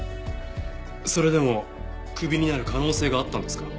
それでもクビになる可能性があったんですか？